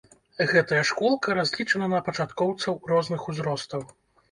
Гэтая школка разлічана на пачаткоўцаў розных узростаў.